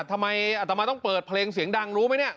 อัตมาต้องเปิดเพลงเสียงดังรู้ไหมเนี่ย